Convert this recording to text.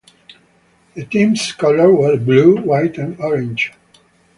The team's colors were blue, white and orange.